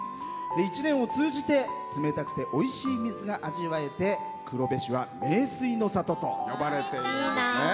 一年を通じて冷たくておいしい水が味わえて、黒部市は名水の里と呼ばれているんですね。